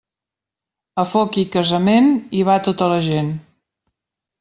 A foc i casament, hi va tota la gent.